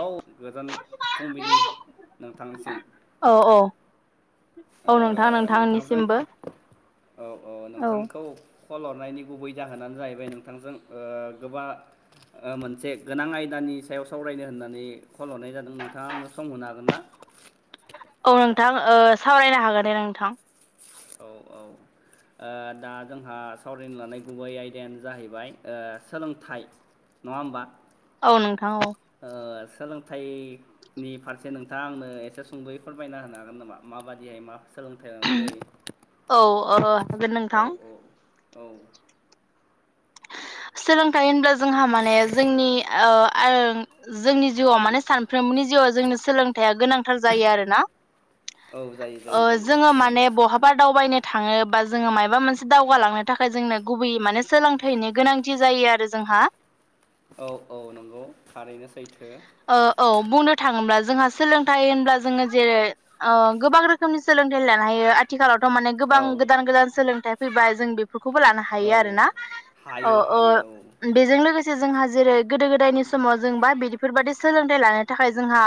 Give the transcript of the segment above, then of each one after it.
औ गोजान फुंबिलि नोंथांनिसिम औ औ औ ओ नोंथां नोंथांजों नोंथांनिसिमबो औ औ औ नोंथांखौ कल हरनायनि गुबै जाहोनानो जाहैबाय नोंथांजों ओ गोबां ओ मोनसे गोनां आयदानि सायाव सावरायनो होननानै खल हरनाय जादों नोंथाङा आंनो सम होनो हागोन ना? [inaudible] औ नोंथां ओ सावरायनो हागोन दे नोंथां। औ औ ओ दा जोंहा सावरायनो लानाय गुबै आयदायानो जाहैबाय ओ सोलोंथाइ नङा होमबा औ नों ओ सोलोंथाइनि फारसे नोंथाङा आंनो एसे सुंदयै फोरमायना होनो हागोन नामा माबायदिहाय मा सोलोंथाइ लानो जायो। औ ओ हागोन औ नोंथां औ औ सोलोंथाइ होनब्ला जोंहा माने जोंनि ओ आरो जोंनि जिउआव माने सानफ्रोमबोनि जिउआव जोंनो सोलों जाया गोनांथार जायो आरोना औ जायो ओ जायो जायो जोङो माने बहाबा दावबायनो थाङो बा जोङो माबा मोनसे दावगालांनो थाखाय जोंनो गुबैयै माने सोलोंथाइनि गोनांथि जायो आरो जोंहा औ औ नंगौ थारैनो सैथो ओ औ बुंनो थाङोब्ला जोंहा सोलोंथाइ होनब्ला जोङो जेरै ओ गोबां रोखोमनि सोलोंथाइ लानो हायो आथिखालाव माने गोबां औ गोदान गोदान सोलोंथाइ फैबाय जों बे फोरखौबो लानो हायो औ आरोना ओ हायो ओ हायो औ बेजों लोगो जोंहा जेरै गोदो गोदायनि समाव जों बा बिदिफोरबायदि सोलोंथाइ लानो थाखाय जोंहा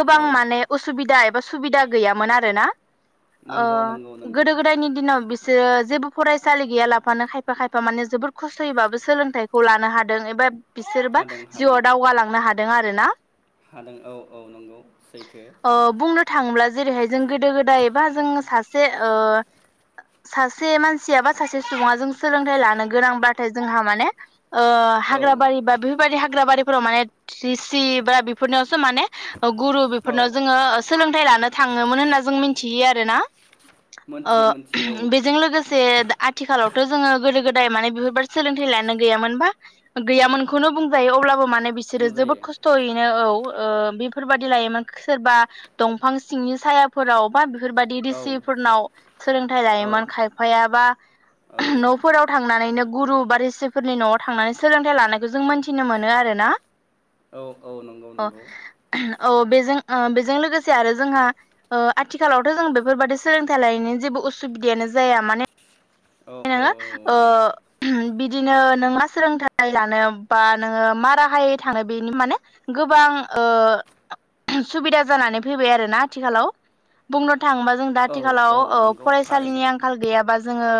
गोबां औ माने उसुबिदा एबा सुबिदा गैयामोन आरो ना? अ नंगौ नंगौ नंगौ गोदो गोदायनि दिनाव बेसे ज जेबो फरायसालि गैया लाफानो खायफा खायफा माने जोबोद खस्थ'यैबाबो सोलोंथाइखौ लानो हादों एबा बिसोरबा हादों हादों जिउआव दावगालांनो हादों आरो ना हादों औ औ नंगौ सैथो। ओ बुंनो थाङोब्ला जेरैहाय जों गोदो गोदायबा जों सासे ओ सासे मानसिया बा सासे सुबुङा जों सोलोंथाइ लानो गोनांबाथाय जोंहा माने आ हाग्रा औ बारि बा बेफोरबायाददि हाग्रा बारिफोराव माने थ्रिसि बा बेफोरनियावसो माने गुरु बेफोरनाव औ जोङो सोलोंथाइ लानो थाङोमोन होनना जों मिथियो आरो ना? ओ मोनथियो मोनथियो औ बेजों लोगोसे आथिखालाव जोङो गोदो गोदाय माने बेफोरबायदि सोलोंथाइ लानो गैयामोन बा गैयामोनखौनो बुंजायो अब्लाबो माने बिसोरो जोबोद बुंजायो खस्थ'यैनो औ। ओ बेफोरबाददि लायोमोन सोरबा दंफां सिंनि सायाफोराव बा बेफोरबायदि औ ऋसि फोरनाव सोलोंथायाइ औ लायोमोन खायफायाबा औ ओम न'फोराव थांनानैनो गुरु बारिसिफोरनि न'आव थांनानै सोलोंथाइ लानायखौ जों मोनथिनो मोनो आरो ना? औ नंगौ अ नंगौ औ बेजों ओ बेजों लोगोसे आरो जोंहा ओ आथिखालावथ' जों बेफोरबादि सोलोंथाइ लायिनि जेबो उसुबिदायानो जाया माने औ औ नोङो ओ बि बिदिनो नों मा सोलोंथाइ लानो बा नोङो मा राहायै थानो बेनि माने गोबां ओ सुबिदा जानानै फैबाय आरोना आथिखालाव बुंनो थाङोबा जों दा औ आथिखालाव औ ओ नंगौ थारैनो फरायसालिनि आंखाल गैयाबा जोङो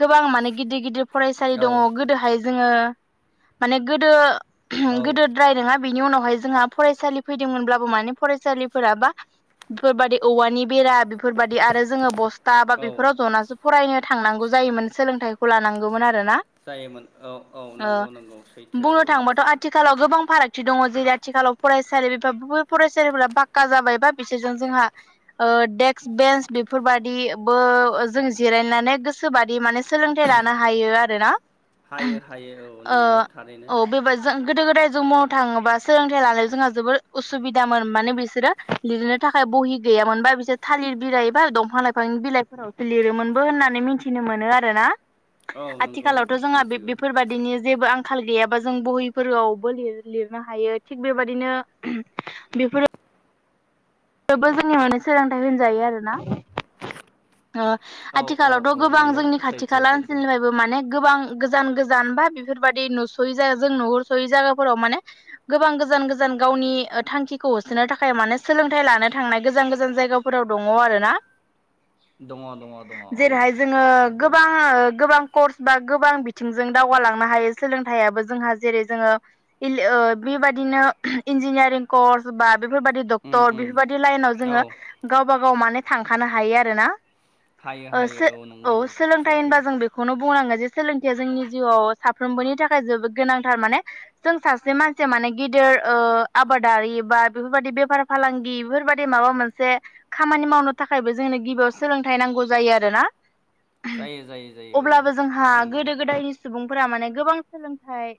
गोबां माने गिदिर गिदिर फरायसालि दङ गोदोहाय जोङो माने गोदो औ गोदोद्राय नङा बिनि उनावहाय जोंहा फरायसालि फैदोंमोनब्लाबो माने फरायसालिफोरा बा बेफोरबायदि औवानि बेरा बेफोरबायाददि आरो जोङो बस था बा औ बेफोराव जनासो फरायनो थांनांगौ जायोमोन सोलोंथाइखौ लानांगौमोन आरो जायोमोन औ औ नंगौ नंगौ सैथो बुंनो औ। थाङोबाथ' आथिखालाव गोबां फारागथि दङ जेरै आथिखालाव फरायसालि [unintelligible] फरायसालिफोरा फाक्का जाबाय बा बिसोरजों जोंहा ओ देक्स बेन्स बेफोरबायदिबो जों जिरायनानै गोसोबादि माने सोलोंथाइ लानो हायो आरो ना? हायो हायो औ नंगौ थारैनो। औ बेबा जों गोदो गोदाय जों [unintelligible] थाङोबा सोलोंथाइ लानो जोंहा जोबोर उसुबिदामोन माने बिसोरो लिरनो थाखाय बहि गै गैयामोनबा बिसोर थालिर बिलाइ बा दंफां लाइफांनि बिलाइफोराव लिरोमोनबो होननानै मि थिनो मोनो आरोना औ नंगौ आथिखालावथ' जोंहा मिथिगौ बेफोरबायदिनि जेबो आं खाल गैयाबा जों बहिफोरावबो लिर लिरनो हायो थिग बेबादिनो बेफोरो बेबो जोंनि माने सोलोंथाइ होनजायो आरोना। अ औ औ औ आथिखालावथ' गोबां नंगौ जोंनि खाथि सैथो खाला सैथो ओनसोलनिफ्रायबो माने गोबां गोजान गोजान बा बेफोरबाददि नुस'यै जाया जों नुहरस'यै जायगाफोराव माने गोबां गो गोजान गोजान गावनि ओ थांखिखौ होसोनो थाखाय मानोे सोलों थाइ लानो थांनाय गोजान गोजान जायगाफोराव दङ आरोना। दङ दङ दङ औ जेरैहाय जोङो नंगौ गोबां ओ गोबां कर्स बा गोबां बिथिंजों दावगालांनो हायो सोलोंथाइयाबो जोंहा जेरै जोङो बिल ओ बिल बेबायदिनो इन्जिनियारिं कर्स बा बेफोरबायदि उम थ उम बेफोरबायदि लाइनाव औ जोङो गावबा गाव माने थांखानो हायो आरो ना। हायो औ हायो सो नंगौ औ सोलोंथाइ सैथो होनबा जों बेखौनो बुं बुंनांगो जे सोलोंथया जोंनि जिउआव साफ्रोमबोनि थाखाय जोबोद गोनांथार माने जों सासे मानसिया माने माने गिदिर ओ आबादारि बा बेफोरबायदि बेफार फालांगि बेफोरबायदि माबा मोनसे खामानि मावनो थाखायबो जोंनो गिबियाव सोलोंथाइ नांगौ जायो आरोना। जायो जायो जायो औ अब्लाबो जोंहा नंगौ गोदो गोदायनि सुबुं फोरा माने गोबां सोलोंथाइ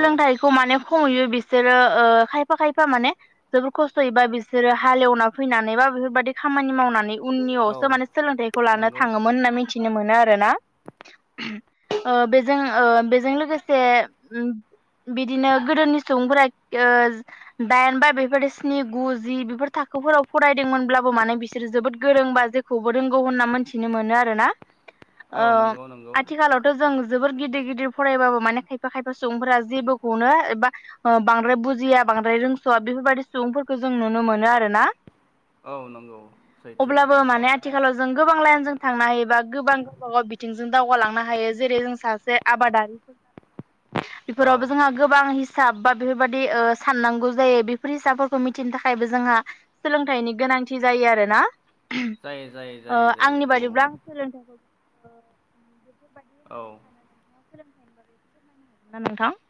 औ माने खमैयो बिसोरो ओ खफा खायफा माने जोबोर खस्थ'यैबा बिसोरो हालेवना फैनानै बा बेफोरबायाददि खामानि मावनानै औ उननियावसो माने सोलोंथाइखौ लानो नंगौ थाङोमोन होनना मिथिनो मोनो आरो ना। ओ बेजों ओ बेजों लोगोसे बिदिनो गोदोनि सुबुंफोरा ओ दाइन बा बेफोरदि स्नि, गु, जि बेफोर थाखोफोराव फरायदोंमोनब्लाबो माने बिसोरो जोबोद गोरों बा जेखौबो रोंगौ होनना मिथिनो मोनो आरोना औ ओ नंगौ नंगौ आथिखालावथ' जों जोबोर गिदिर-गिदिर फरायबाबो माने खायफा-खायफा सुबुंफोरा जेबोखौनो एबा बांद्राय बुजिया। बांद्राय रोंस'आ बेफोरबायदि सुबुंफोरखौ जों नुनो मोनो आरोना औ नंगौ, सैथो। माने आथिखालाव जों गोबां लाइनजों थांनो हायोबा गोबां गावबा गाव बिथिंजों दावगालांनो हायो जेरै-जों सासे आबादारि [inaudible] औ बेफोरावबो जोंहा गोबां हिसाब बा बेफोरबायदि ओ साननांगौ जायो बेफोर हिसाबफोरखौ मिथिनो थाखायबो जोंहा सोलोंथाइनि गोनांथि जायो आरोना जायो जायो ओ जायो जायो आंनि बादिब्ला आं औ सोलोंथाइखौ बेफोरबायदि होननानै औ सानो। नोंथाङा सोलोंथाइनि बागै एसे फोरमायनो हागोन ना नोंथां?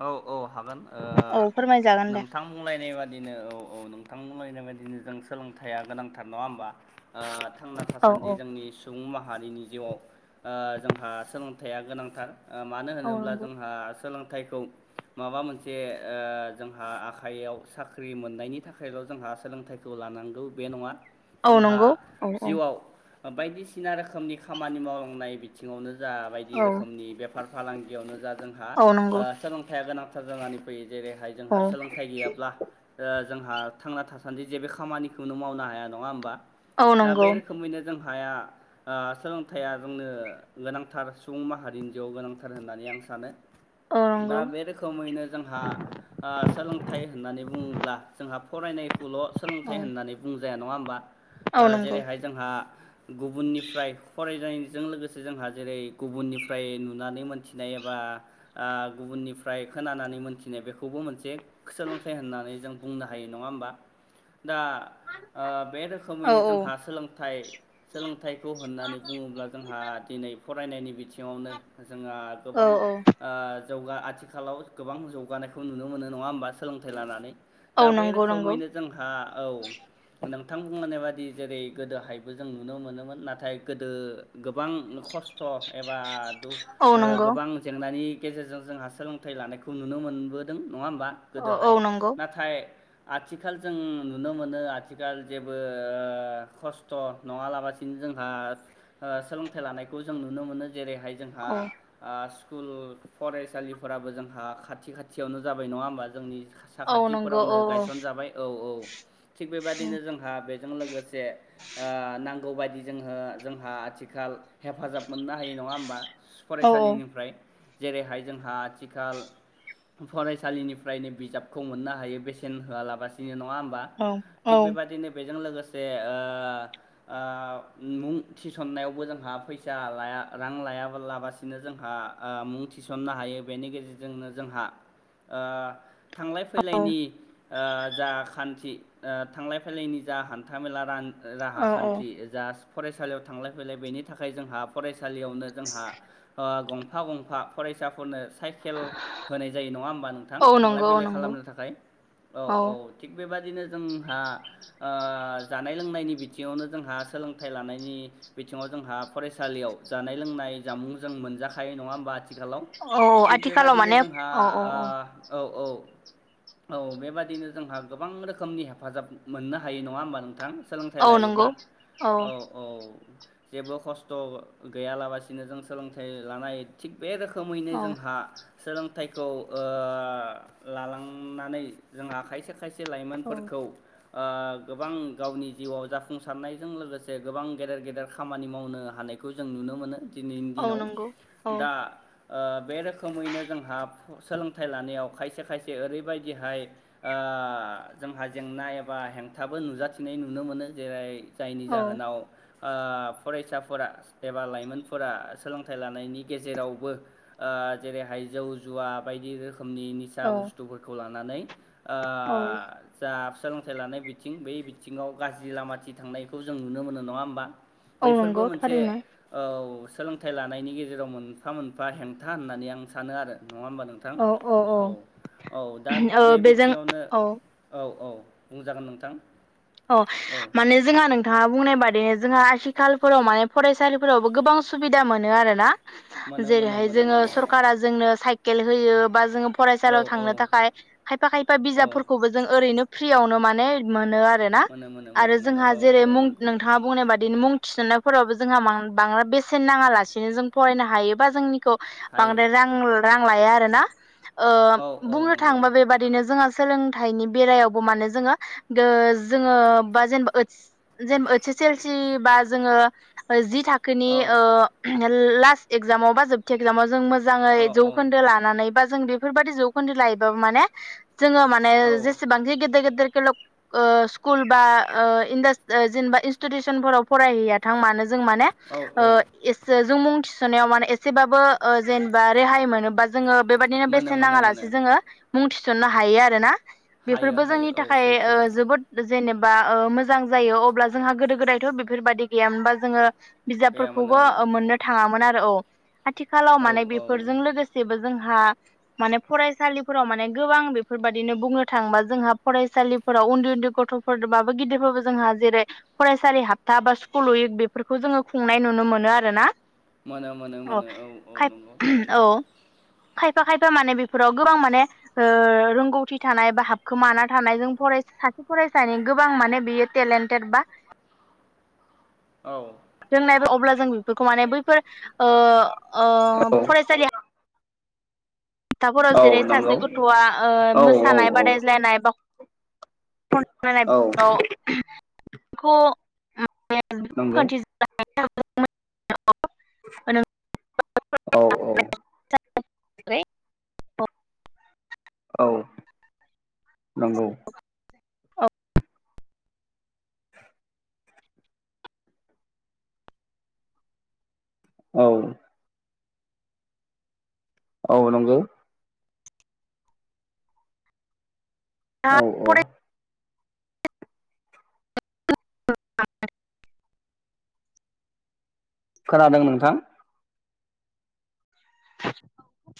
औ औ हागोन ओ औ फोरमायजागोन दे। नोंथां बुंलायनाय बादिनो औ औ नोंथां बुंलायनाय बाय दि जों सोलोंथाइया गोनांथार, नङा होमबा? ओ थांना औ थासान्दि औ जोंनि सुबुं मा हारिनि जिउआव ओ जोंहा सोलोंथाइया गोनांथार। ओ मानो औ होनोब्ला नंगौ जोंहा सो लोंथायखौ माबा मोनसे ओ जोंहा आखाइयाव साख्रि मोननायनि थाखायल' जोंहा सोलोंथाइखौ लानांगौ बे नङा। औ नंगौ जोंहा औ औ जिउआव बायदिसिना रोखोमनि खामानि मावलांनाय बिथिङावनो जा बायदि औ रोखोमनि बे फार-फालांगियावनो जा जोंहा औ ओ नंगौ सोलोंथाइया गोनांथार जानानै फैयो। जेरैहाय जोंहा औ सोलोंथाइ गैयाब्ला ओ जोंहा थांना थासान्दि जेबो खामानिखौनो मावनो हाया। नङा होमबा? औ दा बे नंगौ रोखोमैनो जों हाया ओ सोलोंथाइया जोंनो गोनांथार सुबुं माहारिनि जिउआव गोनांथार होननानै आं सानो। औ दा नंगौ बे रोखोमैनो जोंहा ओ सोलोंथाइ होननानै बुङोब्ला जोंहा फरायनाय खौल' सोलोंथाइ औ होननानै बुंजाया। नङा होमबा? ओ औ नंगौ जेरैहाय जोंहा गुबुननिफ्राय फरायनाय जों लोगोसे जोंहा जेरै गुबुननिफ्राय नुनानै मोनथिनाय एबा ओ गुबुननिफ्राय खोनानानै मोन्थिनाय बेखौबो मोनसे सोलोंथाइ होननानै जों बुंनो हायो। नङा होमबा? दा ओ बे औ रोखोमैनो जोंहा सोलोंथाइ सोलोंथाइखौ होननानै बुङोब्ला जोंहा दि‌ नै फरायनायनि बिथिङावनो जोंहा औ गोबां औ ओ जौगा आथिखालाव गोबां जौगानायखौ नुनो मोनो। नङा होमबा? सोलोंथाइ लानानै दा औ बे नंगौ नंगौ रोखोमैनो जोंहा औ। नोंथां बुंलांनाय बादि जेरै गोदोहायबो जों नुनो मोनोमोन। नाथाय गोदो गोबां खस्थ ए बा ओ औ नंगौ गोबां जेंनानि गेजेरजों जोंहा सोलोंथाइ लानायखौ नुनो मोनबोदों। नङा होमबा औ औ गोदोहाय? नंगौ नाथाय आथिखाल जों नुनो मोनो आथिखाल जेबो ओ खस्थ' नङालाबसिनो जों जोंहा ओ सोलोंथाइ लानायखौ जों नुनो मोनो। जेरैहाय जोंहा औ ओ स्कुल फरायसालिफोराबो जोंहा खाथि खाथियावनो जाबाय नङा होमबा? जोंनि औ नंगौ साखाथिफोरावनो औ गायसनजाबाय। औ औ थिग बेबादिनो जोंहा बेजों लोगोसे ओ नां गौ बायदि जोङो जोंहा आथिखाल हेफाजाब मोननो हायो। नङा होमबा? औ फरायसालिनिफ्राय जेरैहाय जोंहा आथिखाल फरायसालिनिफ्रायनो बिजाबखौ मोननो हायो बेसेन होआलाबसिनो न ङा होमबा? औ औ थिग बेबादिनो बेजों लोगोसे ओ ओ ओ मुं थिसननायावबो जोंहा फैसा लाया रां लाया लाबासि नो जोंहा ओ मुं थिसननो हायो। बेनि गेजेरजोंनो जोंहा ओ थांलाय औ फैलायनि ओ जा खान्थि ओ थांलाय फैलायनि जा हान्थाामेला रां राहा औ औ खान्थि जास फरायसालियाव थांलाय फैलाय बेनि थाखाय जोंहा फराय फसालियावनो जोंहा गंफा गंफा फरायसाफोरनो साइकेल होनाय जायो नङा होमबा नोंथां औ थांलाय नंगौ औ फैलाय नंगौ खालामनो थाखाय औ औ थिग बेबादिनो जोंहा ओ जानाय लोंनायनि बिथिङावनो जोंहा सोलोंथाइ लानायनि बिथिङाव जोंहा फरायसालियाव जानाय लोंनाय नाय जामुं जों मोनजाखांनाय यो नङा होमबा आथिखालाव औ थिग आथिखालाव बेबायदिनो माने जोंहा औ औ औ ओ औ औ औ बेबादिनो जोंहा गोबां रोखोमनि हेफाजाब मोननो हायो नङा होमबा नोंथां सोलोंथाइ औ नंगौ लायोब्ला औ औ जेबो खस्थ' गैयालासिनो जों सोलोंथाइ लानाय थिग बे रोखोमैनो औ जोंहा सोलोंथाइखौ ओ लालांनानै जोंहा खायसे खायसे लाइमोनफोरखौ ओ गोबां गावनि जिउआव जाफुंसारनायजों लोगोसे गोबां गेदेर गेदेर खामानि मावनो हानाय बेखौ जों नुनो मोनो दिनैनि औ दिनाव नंगौ औ दा ओ बे रोखोमैनो जोंहा सोलोंथाइ लानायाव खायसे खायसे ओरैबायदिहाय ओ ओ जोंहा जेंना एबा हेंथाबो नुजाथिनाय नुनो मोनो जेरै जायनि औ जाहोनाव ओ फरायसाफोरा एबा लाइमोनफोरा सोलोंथाइ लानाय गेजावबो ओ जेरैहाय जौ जुवा बायदि रोम रोखोमनि निसा औ बुसथुफोरखौ लानानै ओ जा सोलोंथाइ लानाय बिथिं बै बिथिङाव गाज्रि लामाथि थांनायखौ जों नुनो मोनो नङा होमबा औ बैफोरबो नंगौ मोनसे थारैनो औ सोलोंथाइ लानायनि गेजेराव मोनफा मोनफा हेंथा होननानै आं सानो आरो नङा होमबा नोंथां औ औ दा बे ओ बेजों बिथिङावनो औ औ औ बुंजागोन नोंथां अ औ माने जोंहा नोंथाङा बुंनाय बादिनो जोंहा आथिखालफोराव माने फरायसालिफोरावबो गोबां सुबिदा मोनो आरो ना मोनो मोनो जेरैहाय मोनो जोङो मोनो सरखारारा जोंनो साइकेल होयो बा जोङो औ फरायसालियाव औ थांनो थाखाय खायफा खायफा औ बिजाबफोरखौबो जों ओरैनो फ्रियावनो माने मोनो आरो मोनो मोनो आरो मोनो मोनो जोंहा औ जेरै औ मुं नंगौ नोंथाङा बुंनाय बादि मुं थिसननायफोरावबो जोंहा बांद्राय बेसेन नाङालासिनो जों फरायनो हायोबा जोंनिखौ हायो बांद्राय रां रां लाया आरोना ओ औ औ बुंनो नंगौ थाङोबा बेबादिनो जोंहा सोलोंथाइनि बेरायावबो मानोे जोङो ओ जोङ बा जेनेबा ओस जेनेबा ओस एस एल सि बा जोङो जि थाखोनि औ ओ लास्ट एकजाम जामाव बा जोबथि एकजामाव जों मोजां औ मोजाङै जौखोन्दो लानानै बा जों बेफोरबायाददि जौखोन्दो लायोबाबो माने जोङो माने औ जेसेबांखि गेदेर गेदेर खेलग ओ स्कुल बा ओ जेनेबा इन्स्टिटिउसनफोराव फरायहैया थां मानो जों माने औ ओ औ जुं सुनायाव माने एसेबाबो जेनेबा रेहाय मोनोबा जोङो बेबायदिनो मोनो बेसेन मोनो मोनो नाङालासे जोङो मुं थिसननो हायो आरोना हायो बेफोरबो हायो जोंनि औ थाखाय सैथो ओ जोबोद जेनेबा ओ मोजां जायो अब्ला जोंहा गोदो गोदायथ' बेफोरबायदि गैयामोनबा जोङो गैयामोन बिजाबफोरखौबो ओ मोननो थाङामोन आरो औ आथिखालाव औ माने औ बेफोरजों लोगोसेबो जोंहा माने फरायसालिफोराव माने गोबां बेफोरबादिनो बुंनो थांबा जोंहा फरायसालि फोराव उनदै उनदै ग गथ'फोरबाबो गिदिरफोरबो जोंहा जेरै फरायसालि हाबथा बा स्कुल उइक बेफोरखौ जोङो खुंनाय नुनो मोनो आरोना। मोनो मोनो मोनो औ औ खाय नंगौ थारैनो। औ खायफा खायफा माने बेफोराव गोबां माने ओ रोंगौथि थानाय बा हाबखोमाना थानाय जों फरायसा सासे फरायसानि गोबां माने बियो टेलेन्टेड बा औ। रोंनायबो अब्ला जों बेफोरखौ माने बैफोर ओ ओ औ फरायसालि खोथाफोराव जेरै औ नंगौ सासे गथ'आ ओ औ औ मोसानाय औ बादायज्लायनाय बा औ [unintelligible] नंगौ [unintelligible] औ औ। [unintelligible] औ नंगौ। औ। औ नोंगौ। औ औ। फरायसालियाव [unintelligible] खोनादों नोंथां। [inaudible]